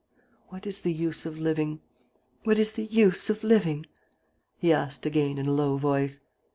... What is the use of living? ... What is the use of living?" he asked again, in a low voice.